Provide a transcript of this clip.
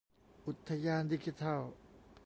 อุทยานดิจิทัล